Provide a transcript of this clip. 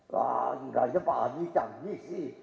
wah gilanya pak abie canggih sih